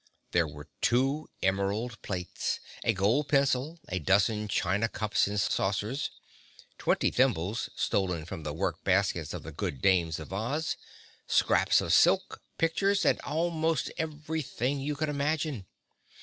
There were two emerald plates, a gold pencil, a dozen china cups and saucers, twenty thimbles stolen from the work baskets of the good dames of Oz, scraps of silk, pictures and almost everything you could imagine.